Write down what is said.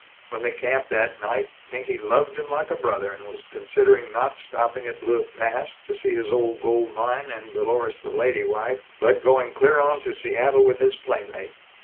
When they camped, that night, Pinky loved him like a brother, and was considering not stopping at Blewett Pass, to see his gold mine and Dolores the lady wife, but going clear on to Seattle with his playmate.